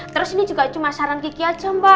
terus ini juga cuma saran gigi aja mbak